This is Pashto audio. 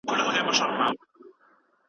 حکومت باید د بې وزلو خلګو غږ واوري.